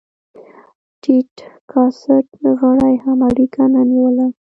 ټيټ کاست غړي هم اړیکه نه نیوله.